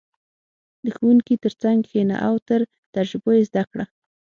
• د ښوونکي تر څنګ کښېنه او له تجربو یې زده کړه.